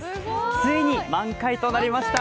ついに満開となりました。